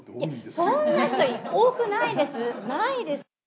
そんな人多くないです、ないです。